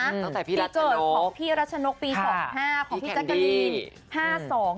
ตั้งแต่พี่รัชนกปีเกิดของพี่รัชนกปี๒๕ของพี่แจ๊กกะดีน๕๒